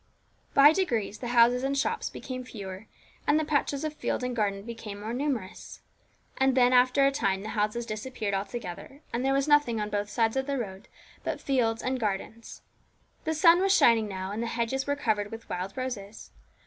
By degrees the houses and shops became fewer, and the patches of field and garden became more numerous. And then, after a time, the houses disappeared altogether, and there was nothing on both sides of the road but fields and gardens. The sun was shining now, and the hedges were covered with wild roses.